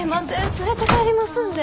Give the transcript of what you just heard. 連れて帰りますんで。